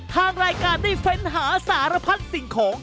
ทางรายการได้เฟ้นหาสารพัดสิ่งของ